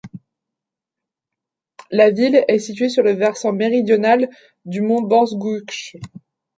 La ville est située sur le versant méridional du mont Bozgouch.